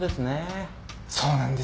そうなんですよ。